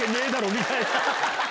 みたいな。